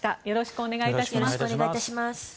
よろしくお願いします。